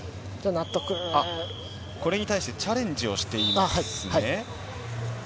これに対してチャレンジをしていくんですね。